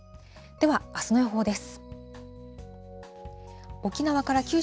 では、あすの予報です。